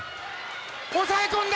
抑え込んだ！